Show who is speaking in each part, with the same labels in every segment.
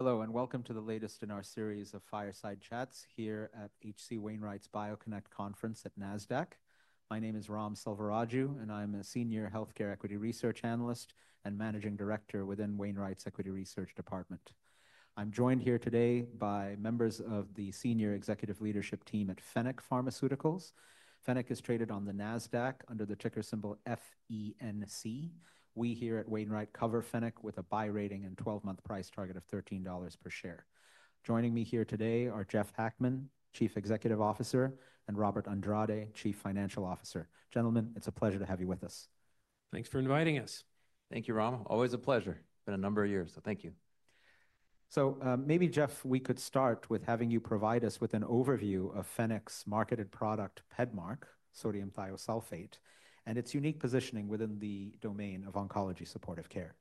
Speaker 1: Hello, and welcome to the latest in our series of fireside chats here at H.C. Wainwright's BioConnect Conference at NASDAQ. My name is Ram Selvaraju, and I'm a senior healthcare equity research analyst and managing director within Wainwright's Equity Research Department. I'm joined here today by members of the senior executive leadership team at Fennec Pharmaceuticals. Fennec is traded on the NASDAQ under the ticker symbol FENC. We here at Wainwright cover Fennec with a buy rating and 12-month price target of $13 per share. Joining me here today are Jeff Hackman, Chief Executive Officer, and Robert Andrade, Chief Financial Officer. Gentlemen, it's a pleasure to have you with us.
Speaker 2: Thanks for inviting us.
Speaker 3: Thank you, Ram. Always a pleasure. It's been a number of years, so thank you.
Speaker 1: Maybe, Jeff, we could start with having you provide us with an overview of Fennec's marketed product, PEDMARK, sodium thiosulfate, and its unique positioning within the domain of oncology supportive care.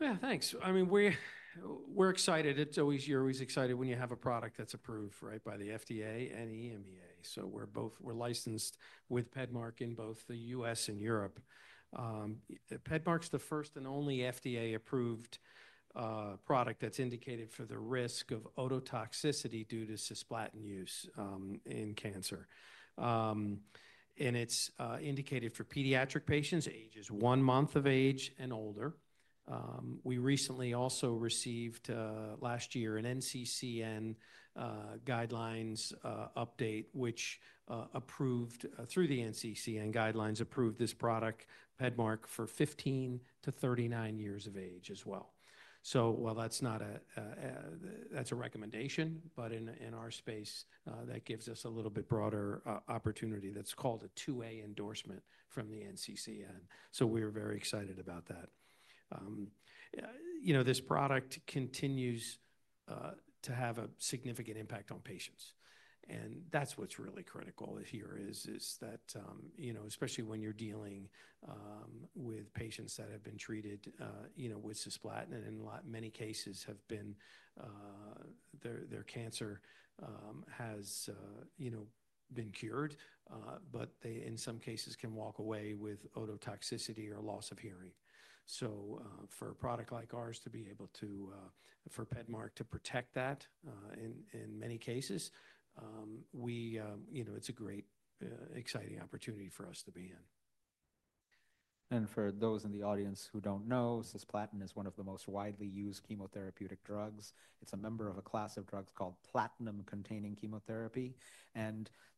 Speaker 2: Yeah, thanks. I mean, we're excited. You're always excited when you have a product that's approved right by the FDA and EMEA. So we're licensed with PEDMARK in both the U.S. and Europe. PEDMARK's the first and only FDA-approved product that's indicated for the risk of ototoxicity due to cisplatin use in cancer. And it's indicated for pediatric patients, ages one month of age and older. We recently also received, last year, an NCCN guidelines update, which approved through the NCCN guidelines approved this product, PEDMARK, for 15-39 years of age as well. So while that's not a recommendation, but in our space, that gives us a little bit broader opportunity. That's called a 2A endorsement from the NCCN. So we are very excited about that. This product continues to have a significant impact on patients. That's what's really critical here is that, especially when you're dealing with patients that have been treated with cisplatin, and in many cases their cancer has been cured, but they, in some cases, can walk away with ototoxicity or loss of hearing. For a product like ours to be able to, for PEDMARK to protect that in many cases, it's a great, exciting opportunity for us to be in.
Speaker 1: For those in the audience who don't know, cisplatin is one of the most widely used chemotherapeutic drugs. It's a member of a class of drugs called platinum-containing chemotherapy.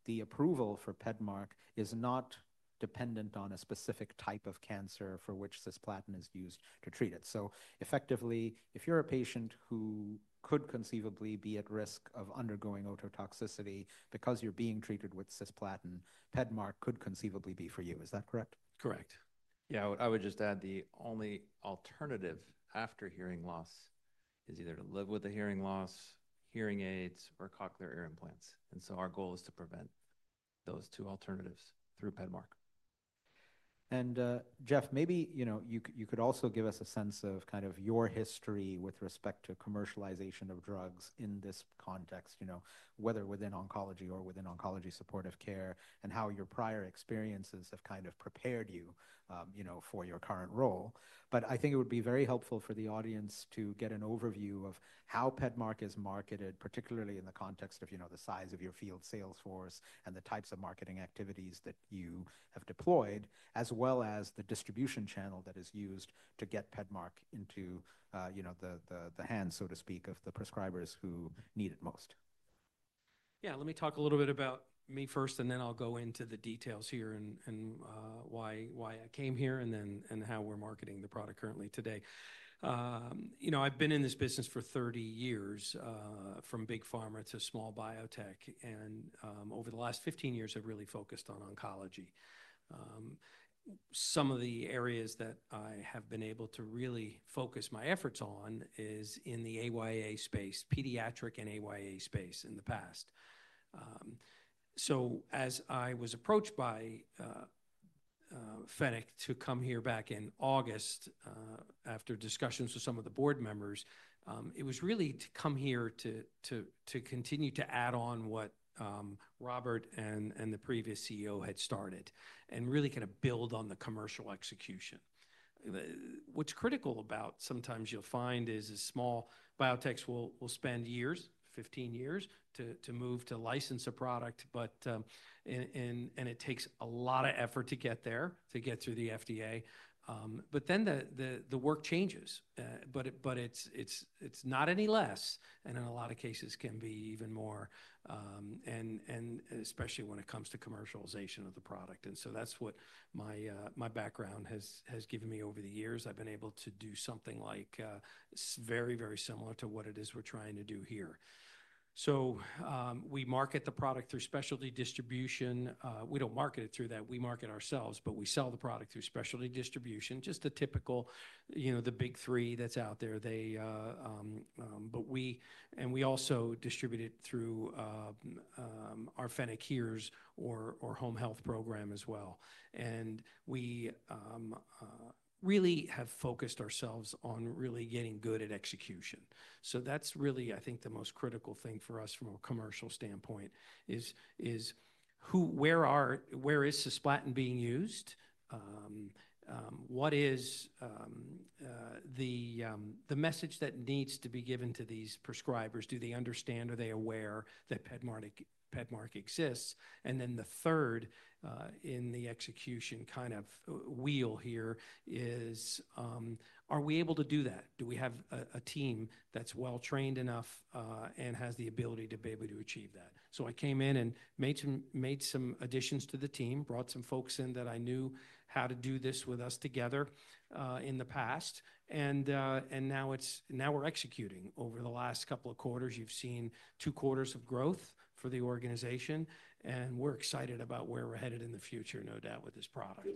Speaker 1: The approval for PEDMARK is not dependent on a specific type of cancer for which cisplatin is used to treat it. Effectively, if you're a patient who could conceivably be at risk of undergoing ototoxicity because you're being treated with cisplatin, PEDMARK could conceivably be for you. Is that correct?
Speaker 3: Correct. Yeah, I would just add the only alternative after hearing loss is either to live with a hearing loss, hearing aids, or cochlear implants. Our goal is to prevent those two alternatives through PEDMARK.
Speaker 1: Jeff, maybe you could also give us a sense of kind of your history with respect to commercialization of drugs in this context, whether within oncology or within oncology supportive care, and how your prior experiences have kind of prepared you for your current role. I think it would be very helpful for the audience to get an overview of how PEDMARK is marketed, particularly in the context of the size of your field sales force and the types of marketing activities that you have deployed, as well as the distribution channel that is used to get PEDMARK into the hands, so to speak, of the prescribers who need it most.
Speaker 2: Yeah, let me talk a little bit about me first, and then I'll go into the details here and why I came here and how we're marketing the product currently today. I've been in this business for 30 years, from big pharma to small biotech. Over the last 15 years, I've really focused on oncology. Some of the areas that I have been able to really focus my efforts on is in the AYA space, pediatric and AYA space in the past. As I was approached by Fennec to come here back in August after discussions with some of the board members, it was really to come here to continue to add on what Robert and the previous CEO had started and really kind of build on the commercial execution. What's critical about sometimes you'll find is a small biotech will spend years, 15 years, to move to license a product, and it takes a lot of effort to get there, to get through the FDA. The work changes, but it's not any less, and in a lot of cases can be even more, especially when it comes to commercialization of the product. That's what my background has given me over the years. I've been able to do something like very, very similar to what it is we're trying to do here. We market the product through specialty distribution. We don't market it through that. We market ourselves, but we sell the product through specialty distribution, just the typical, the big three that's out there. We also distribute it through our Fennec HEARS or home health program as well. We really have focused ourselves on really getting good at execution. That is really, I think, the most critical thing for us from a commercial standpoint: where is cisplatin being used? What is the message that needs to be given to these prescribers? Do they understand? Are they aware that PEDMARK exists? The third in the execution kind of wheel here is, are we able to do that? Do we have a team that is well-trained enough and has the ability to be able to achieve that? I came in and made some additions to the team, brought some folks in that I knew how to do this with us together in the past. Now we are executing. Over the last couple of quarters, you have seen two quarters of growth for the organization. We're excited about where we're headed in the future, no doubt, with this product.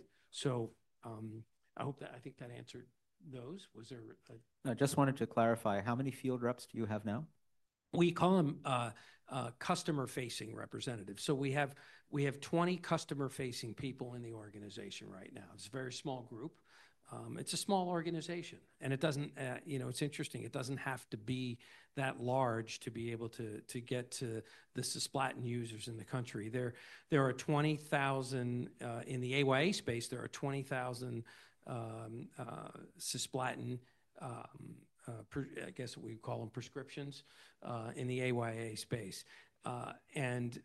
Speaker 2: I think that answered those. Was there a?
Speaker 1: I just wanted to clarify, how many field reps do you have now?
Speaker 2: We call them customer-facing representatives. We have 20 customer-facing people in the organization right now. It is a very small group. It is a small organization. It is interesting. It does not have to be that large to be able to get to the cisplatin users in the country. There are 20,000 in the AYA space. There are 20,000 cisplatin, I guess we call them prescriptions, in the AYA space. And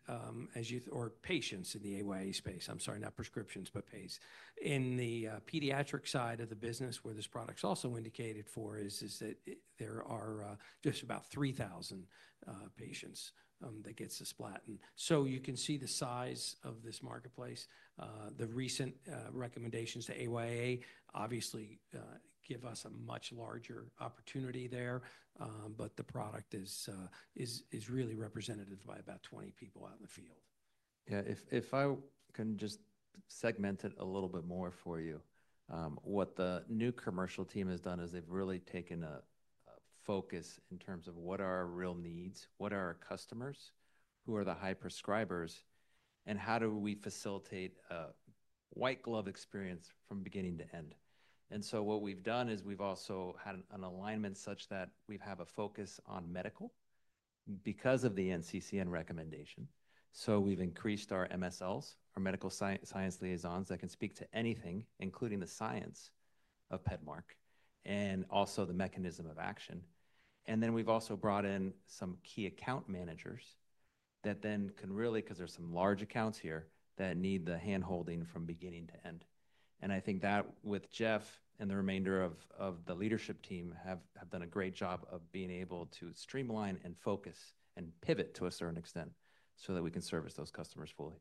Speaker 2: patients in the AYA space, I am sorry, not prescriptions, but patients. In the pediatric side of the business, where this product is also indicated for, is that there are just about 3,000 patients that get cisplatin. You can see the size of this marketplace. The recent recommendations to AYA obviously give us a much larger opportunity there, but the product is really represented by about 20 people out in the field.
Speaker 3: Yeah, if I can just segment it a little bit more for you, what the new commercial team has done is they've really taken a focus in terms of what are our real needs, what are our customers, who are the high prescribers, and how do we facilitate a white glove experience from beginning to end. What we've done is we've also had an alignment such that we have a focus on medical because of the NCCN recommendation. We've increased our MSLs, our medical science liaisons that can speak to anything, including the science of PEDMARK and also the mechanism of action. We've also brought in some key account managers that then can really, because there's some large accounts here, that need the handholding from beginning to end. I think that with Jeff and the remainder of the leadership team have done a great job of being able to streamline and focus and pivot to a certain extent so that we can service those customers fully.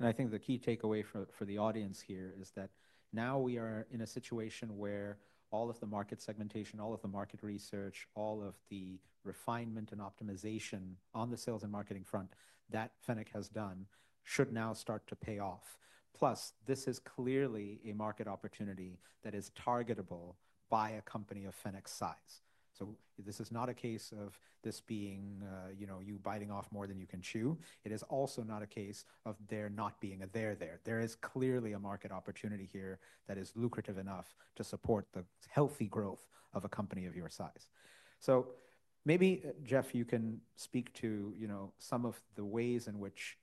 Speaker 1: I think the key takeaway for the audience here is that now we are in a situation where all of the market segmentation, all of the market research, all of the refinement and optimization on the sales and marketing front that Fennec has done should now start to pay off. Plus, this is clearly a market opportunity that is targetable by a company of Fennec's size. This is not a case of this being you biting off more than you can chew. It is also not a case of there not being a there there. There is clearly a market opportunity here that is lucrative enough to support the healthy growth of a company of your size. Maybe, Jeff, you can speak to some of the ways in which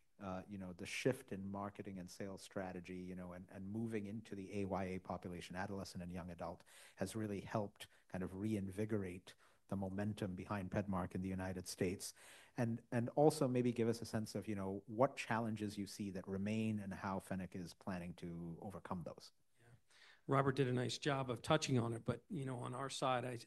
Speaker 1: the shift in marketing and sales strategy and moving into the AYA population, adolescent and young adult, has really helped kind of reinvigorate the momentum behind PEDMARK in the United States. Also maybe give us a sense of what challenges you see that remain and how Fennec is planning to overcome those.
Speaker 2: Yeah, Robert did a nice job of touching on it. On our side,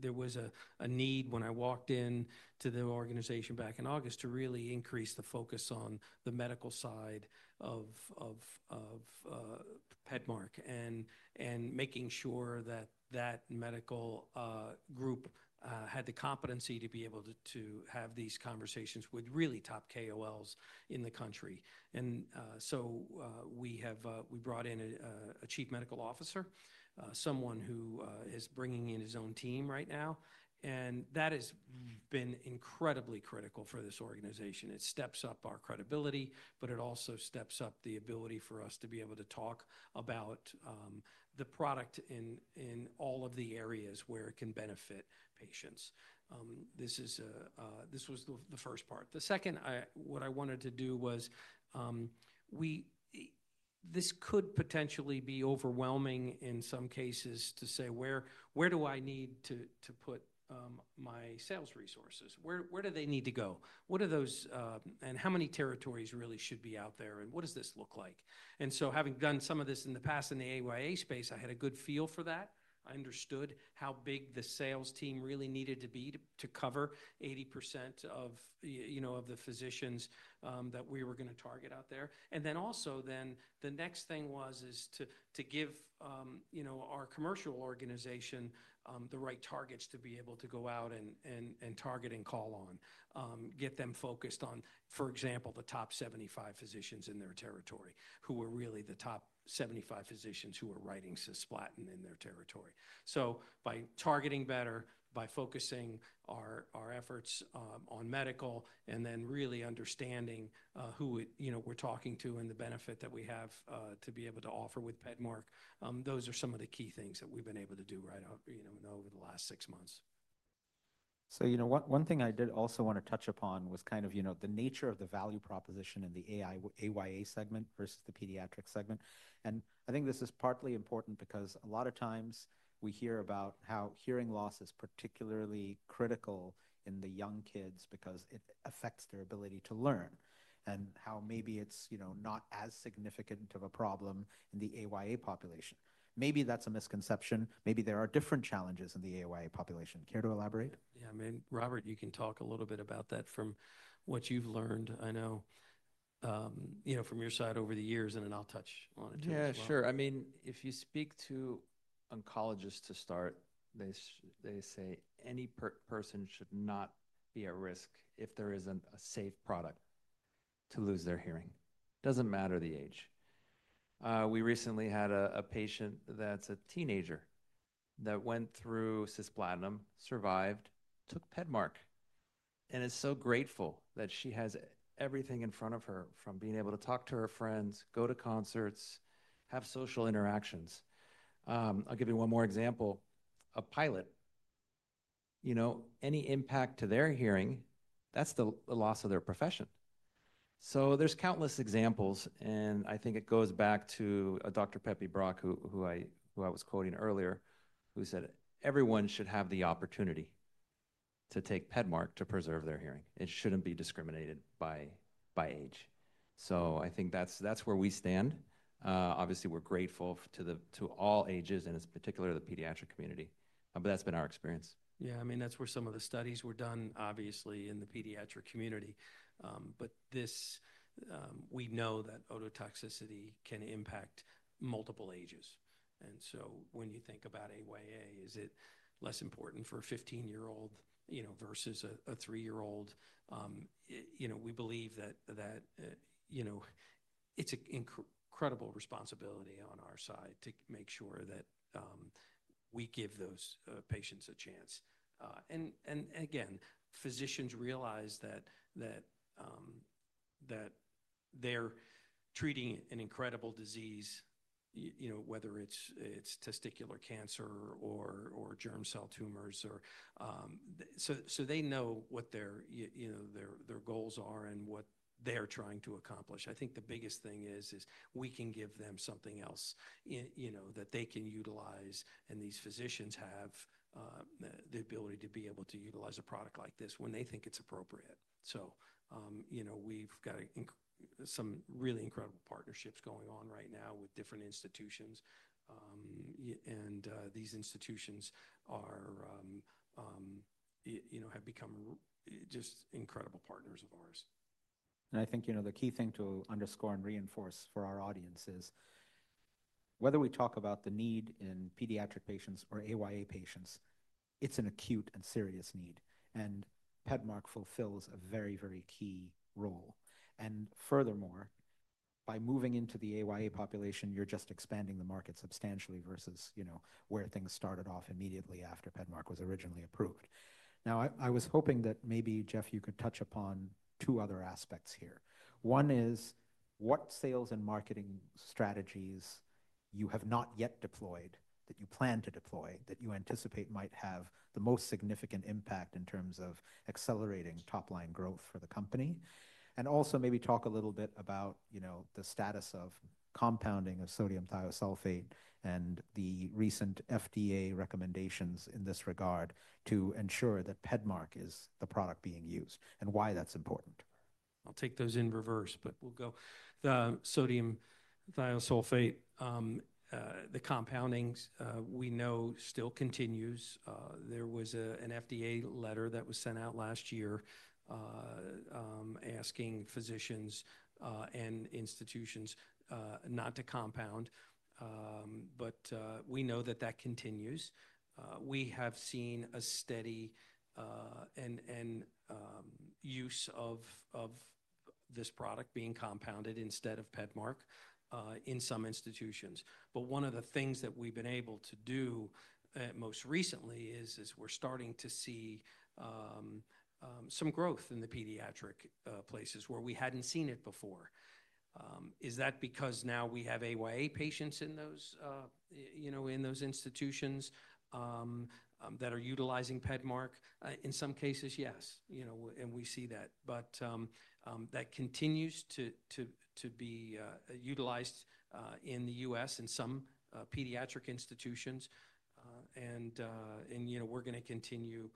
Speaker 2: there was a need when I walked into the organization back in August to really increase the focus on the medical side of PEDMARK and making sure that that medical group had the competency to be able to have these conversations with really top KOLs in the country. We brought in a Chief Medical Officer, someone who is bringing in his own team right now. That has been incredibly critical for this organization. It steps up our credibility, but it also steps up the ability for us to be able to talk about the product in all of the areas where it can benefit patients. This was the first part. The second, what I wanted to do was this could potentially be overwhelming in some cases to say, where do I need to put my sales resources? Where do they need to go? How many territories really should be out there? What does this look like? Having done some of this in the past in the AYA space, I had a good feel for that. I understood how big the sales team really needed to be to cover 80% of the physicians that we were going to target out there. Also, the next thing was to give our commercial organization the right targets to be able to go out and target and call on, get them focused on, for example, the top 75 physicians in their territory who are really the top 75 physicians who are writing cisplatin in their territory. By targeting better, by focusing our efforts on medical, and then really understanding who we're talking to and the benefit that we have to be able to offer with PEDMARK, those are some of the key things that we've been able to do right now over the last six months.
Speaker 1: One thing I did also want to touch upon was kind of the nature of the value proposition in the AYA segment versus the pediatric segment. I think this is partly important because a lot of times we hear about how hearing loss is particularly critical in the young kids because it affects their ability to learn and how maybe it is not as significant of a problem in the AYA population. Maybe that is a misconception. Maybe there are different challenges in the AYA population. Care to elaborate?
Speaker 2: Yeah, I mean, Robert, you can talk a little bit about that from what you've learned, I know, from your side over the years, and then I'll touch on it too.
Speaker 3: Yeah, sure. I mean, if you speak to oncologists to start, they say any person should not be at risk if there is not a safe product to lose their hearing. Does not matter the age. We recently had a patient that is a teenager that went through cisplatin, survived, took PEDMARK, and is so grateful that she has everything in front of her from being able to talk to her friends, go to concerts, have social interactions. I will give you one more example. A pilot, any impact to their hearing, that is the loss of their profession. There are countless examples. I think it goes back to Dr. Peppi Brock, who I was quoting earlier, who said, "Everyone should have the opportunity to take PEDMARK to preserve their hearing. It should not be discriminated by age." I think that is where we stand. Obviously, we're grateful to all ages, and in particular, the pediatric community. That's been our experience.
Speaker 2: Yeah, I mean, that's where some of the studies were done, obviously, in the pediatric community. But we know that ototoxicity can impact multiple ages. And so when you think about AYA, is it less important for a 15-year-old versus a 3-year-old? We believe that it's an incredible responsibility on our side to make sure that we give those patients a chance. And again, physicians realize that they're treating an incredible disease, whether it's testicular cancer or germ cell tumors. So they know what their goals are and what they're trying to accomplish. I think the biggest thing is we can give them something else that they can utilize, and these physicians have the ability to be able to utilize a product like this when they think it's appropriate. So we've got some really incredible partnerships going on right now with different institutions. These institutions have become just incredible partners of ours.
Speaker 1: I think the key thing to underscore and reinforce for our audience is whether we talk about the need in pediatric patients or AYA patients, it's an acute and serious need. PEDMARK fulfills a very, very key role. Furthermore, by moving into the AYA population, you're just expanding the market substantially versus where things started off immediately after PEDMARK was originally approved. I was hoping that maybe, Jeff, you could touch upon two other aspects here. One is what sales and marketing strategies you have not yet deployed that you plan to deploy that you anticipate might have the most significant impact in terms of accelerating top-line growth for the company. And also maybe talk a little bit about the status of compounding of sodium thiosulfate and the recent FDA recommendations in this regard to ensure that PEDMARK is the product being used and why that's important.
Speaker 2: I'll take those in reverse, but we'll go. The sodium thiosulfate, the compounding, we know still continues. There was an FDA letter that was sent out last year asking physicians and institutions not to compound. But we know that that continues. We have seen a steady use of this product being compounded instead of PEDMARK in some institutions. One of the things that we've been able to do most recently is we're starting to see some growth in the pediatric places where we hadn't seen it before. Is that because now we have AYA patients in those institutions that are utilizing PEDMARK? In some cases, yes, and we see that. That continues to be utilized in the US in some pediatric institutions. We're going to continue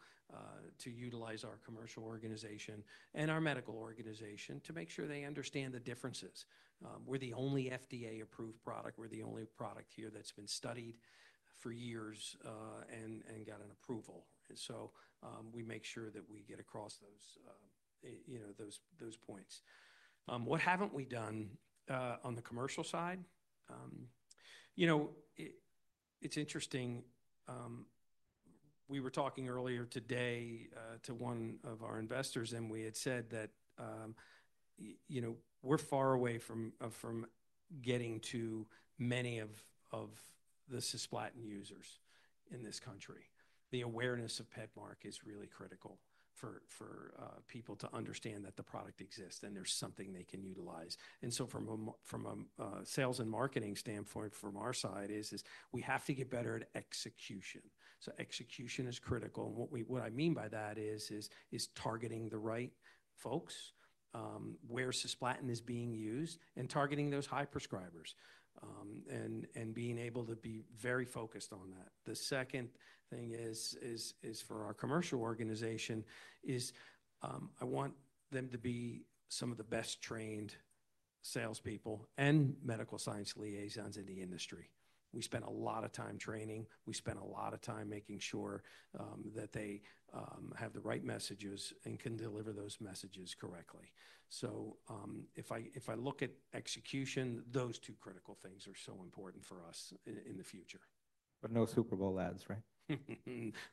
Speaker 2: to utilize our commercial organization and our medical organization to make sure they understand the differences. We're the only FDA-approved product. We're the only product here that's been studied for years and got an approval. We make sure that we get across those points. What haven't we done on the commercial side? It's interesting. We were talking earlier today to one of our investors, and we had said that we're far away from getting to many of the cisplatin users in this country. The awareness of PEDMARK is really critical for people to understand that the product exists and there's something they can utilize. From a sales and marketing standpoint, from our side, is we have to get better at execution. Execution is critical. What I mean by that is targeting the right folks where cisplatin is being used and targeting those high prescribers and being able to be very focused on that. The second thing is for our commercial organization is I want them to be some of the best trained salespeople and medical science liaisons in the industry. We spend a lot of time training. We spend a lot of time making sure that they have the right messages and can deliver those messages correctly. If I look at execution, those two critical things are so important for us in the future.
Speaker 1: No Super Bowl ads, right?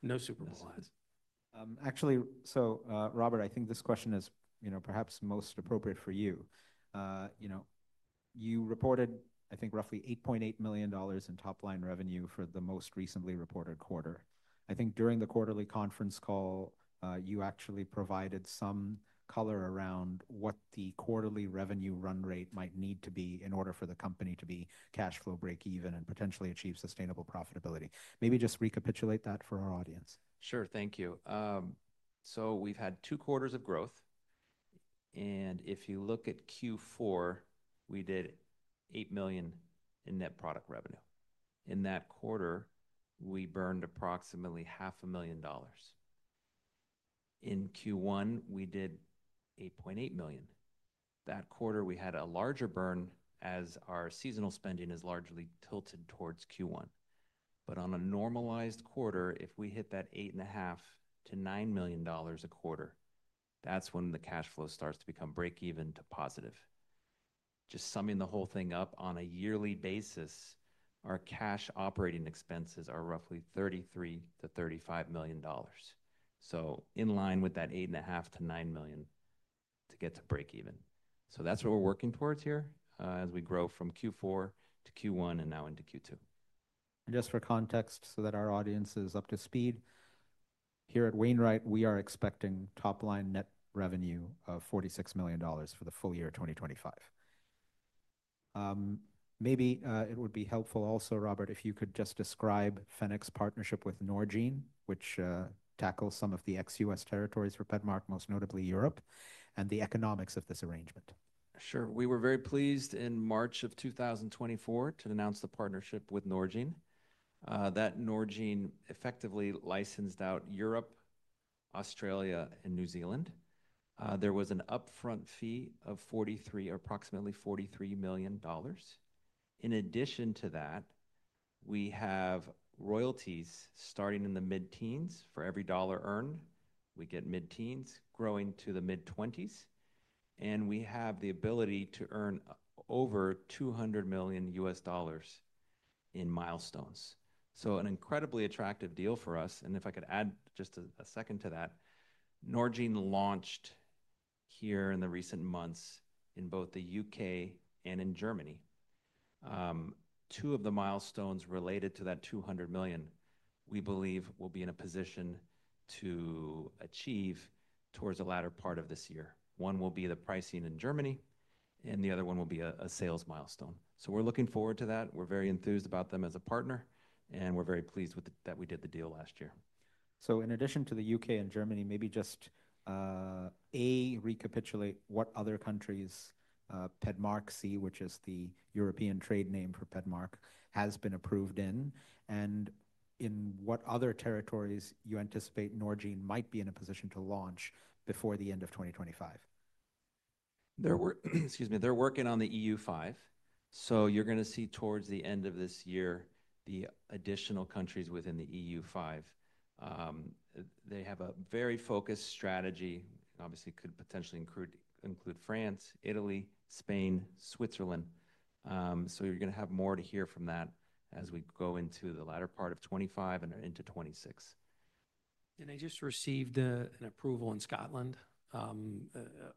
Speaker 2: No Super Bowl ads.
Speaker 1: Actually, so Robert, I think this question is perhaps most appropriate for you. You reported, I think, roughly $8.8 million in top-line revenue for the most recently reported quarter. I think during the quarterly conference call, you actually provided some color around what the quarterly revenue run rate might need to be in order for the company to be cash flow break-even and potentially achieve sustainable profitability. Maybe just recapitulate that for our audience.
Speaker 3: Sure, thank you. We have had two quarters of growth. If you look at Q4, we did $8 million in net product revenue. In that quarter, we burned approximately $500,000. In Q1, we did $8.8 million. That quarter, we had a larger burn as our seasonal spending is largely tilted towards Q1. On a normalized quarter, if we hit that $8.5 million-$9 million a quarter, that is when the cash flow starts to become break-even to positive. Just summing the whole thing up, on a yearly basis, our cash operating expenses are roughly $33 million-$35 million. In line with that $8.5 million-$9 million to get to break-even. That is what we are working towards here as we grow from Q4 to Q1 and now into Q2.
Speaker 1: Just for context so that our audience is up to speed, here at H.C. Wainwright, we are expecting top-line net revenue of $46 million for the full year 2025. Maybe it would be helpful also, Robert, if you could just describe Fennec's partnership with Norgine, which tackles some of the ex-U.S. territories for PEDMARK, most notably Europe, and the economics of this arrangement.
Speaker 3: Sure. We were very pleased in March of 2024 to announce the partnership with Norgine. That Norgine effectively licensed out Europe, Australia, and New Zealand. There was an upfront fee of approximately $43 million. In addition to that, we have royalties starting in the mid-teens. For every dollar earned, we get mid-teens growing to the mid-20s. We have the ability to earn over $200 million US dollars in milestones. An incredibly attractive deal for us. If I could add just a second to that, Norgine launched here in the recent months in both the U.K. and in Germany. Two of the milestones related to that $200 million, we believe, will be in a position to achieve towards the latter part of this year. One will be the pricing in Germany, and the other one will be a sales milestone. We are looking forward to that. We're very enthused about them as a partner, and we're very pleased that we did the deal last year.
Speaker 1: In addition to the U.K. and Germany, maybe just, A, recapitulate what other countries PEDMARQRY, which is the European trade name for PEDMARK, has been approved in, and in what other territories you anticipate Norgine might be in a position to launch before the end of 2025.
Speaker 3: Excuse me, they're working on the EU5. You are going to see towards the end of this year the additional countries within the EU5. They have a very focused strategy. Obviously, it could potentially include France, Italy, Spain, Switzerland. You are going to have more to hear from that as we go into the latter part of 2025 and into 2026.
Speaker 2: They just received an approval in Scotland.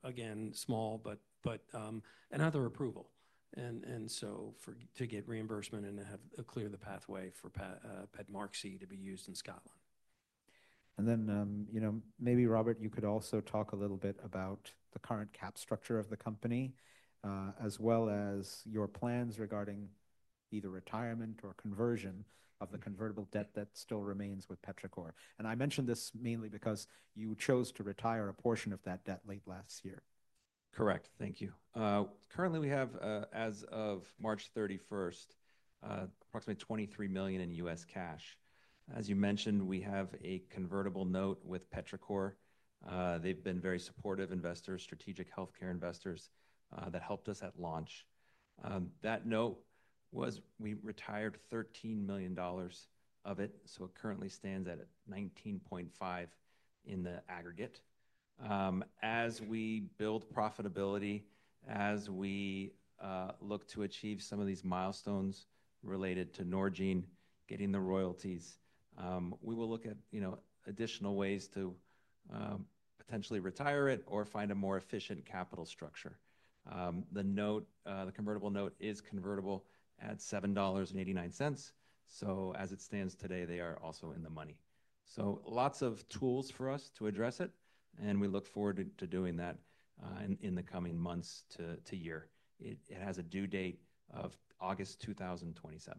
Speaker 2: Again, small, but another approval. To get reimbursement and to clear the pathway for PEDMARQRY to be used in Scotland.
Speaker 1: Maybe, Robert, you could also talk a little bit about the current cap structure of the company as well as your plans regarding either retirement or conversion of the convertible debt that still remains with Petrichor. I mention this mainly because you chose to retire a portion of that debt late last year.
Speaker 3: Correct, thank you. Currently, we have, as of March 31, approximately $23 million in US cash. As you mentioned, we have a convertible note with Petrichor. They've been very supportive investors, strategic healthcare investors that helped us at launch. That note was, we retired $13 million of it. It currently stands at $19.5 million in the aggregate. As we build profitability, as we look to achieve some of these milestones related to Norgine, getting the royalties, we will look at additional ways to potentially retire it or find a more efficient capital structure. The convertible note is convertible at $7.89. As it stands today, they are also in the money. Lots of tools for us to address it, and we look forward to doing that in the coming months to year. It has a due date of August 2027.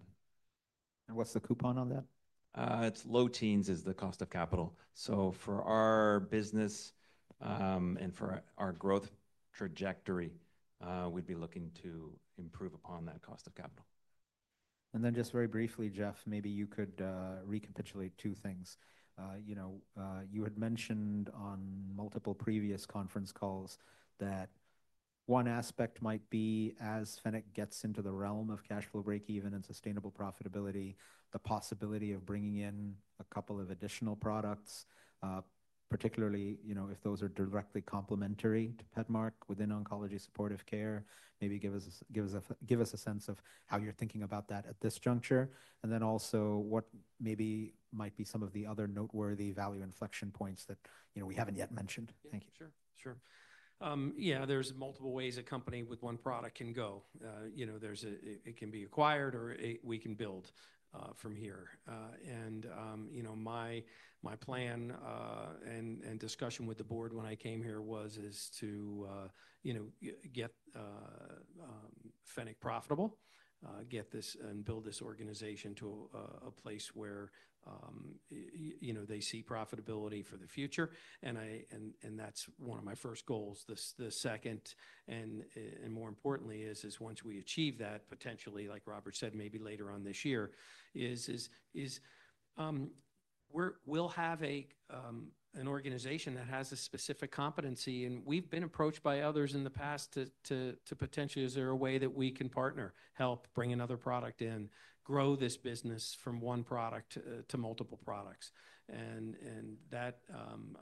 Speaker 1: What's the coupon on that?
Speaker 3: It's low teens is the cost of capital. For our business and for our growth trajectory, we'd be looking to improve upon that cost of capital.
Speaker 1: Just very briefly, Jeff, maybe you could recapitulate two things. You had mentioned on multiple previous conference calls that one aspect might be, as Fennec gets into the realm of cash flow break-even and sustainable profitability, the possibility of bringing in a couple of additional products, particularly if those are directly complementary to PEDMARK within oncology supportive care. Maybe give us a sense of how you're thinking about that at this juncture. Also, what maybe might be some of the other noteworthy value inflection points that we have not yet mentioned. Thank you.
Speaker 2: Sure, sure. Yeah, there's multiple ways a company with one product can go. It can be acquired or we can build from here. My plan and discussion with the board when I came here was to get Fennec profitable, get this and build this organization to a place where they see profitability for the future. That's one of my first goals. The second, and more importantly, is once we achieve that, potentially, like Robert said, maybe later on this year, we'll have an organization that has a specific competency. We've been approached by others in the past to potentially, is there a way that we can partner, help bring another product in, grow this business from one product to multiple products.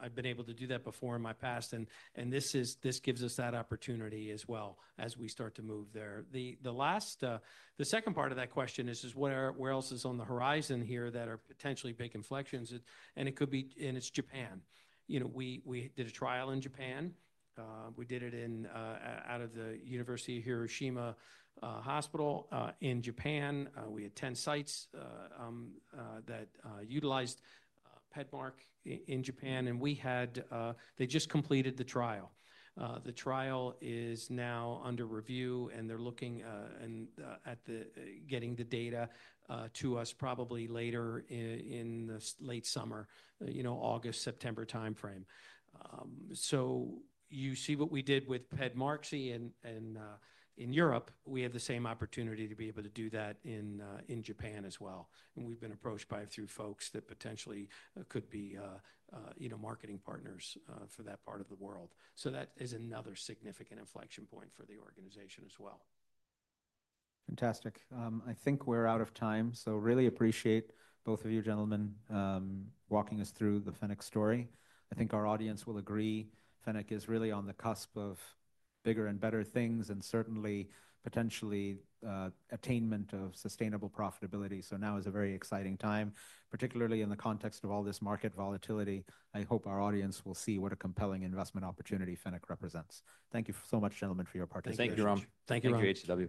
Speaker 2: I've been able to do that before in my past. This gives us that opportunity as well as we start to move there. The second part of that question is where else is on the horizon here that are potentially big inflections. It could be, and it's Japan. We did a trial in Japan. We did it out of the University of Hiroshima Hospital in Japan. We had 10 sites that utilized PEDMARK in Japan. They just completed the trial. The trial is now under review, and they're looking at getting the data to us probably later in the late summer, August, September timeframe. You see what we did with PEDMARK in Europe, we have the same opportunity to be able to do that in Japan as well. We've been approached by a few folks that potentially could be marketing partners for that part of the world. That is another significant inflection point for the organization as well.
Speaker 1: Fantastic. I think we're out of time. So really appreciate both of you, gentlemen, walking us through the Fennec story. I think our audience will agree Fennec is really on the cusp of bigger and better things and certainly potentially attainment of sustainable profitability. Now is a very exciting time, particularly in the context of all this market volatility. I hope our audience will see what a compelling investment opportunity Fennec represents. Thank you so much, gentlemen, for your participation.
Speaker 3: Thank you, Jerome. Thank you.